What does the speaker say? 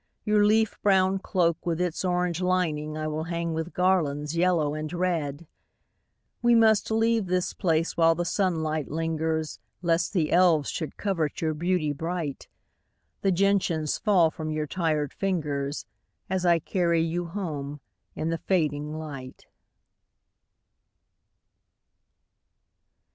Your leaf brown cloak with its orange lining I will hang with garlands yellow and red. We must leave this place while the sunlight lingers Lest the elves should covet your beauty bright. The gentians fall from your tired fingers As I carry you home in the fading light.